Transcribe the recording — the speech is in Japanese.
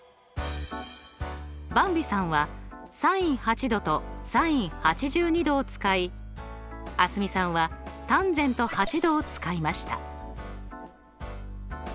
ばんびさんはｓｉｎ８°とｓｉｎ８２°を使い蒼澄さんはｔａｎ８°を使いました。